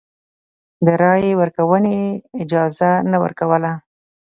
د رایې ورکونې اجازه نه ورکوله.